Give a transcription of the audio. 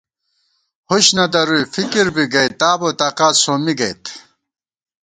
ہُش نہ درُوئی، فِکِر بی گئ، تاب اؤ تاقات سومّی گئیت